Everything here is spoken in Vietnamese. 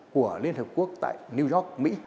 của liên hợp quốc tại new york mỹ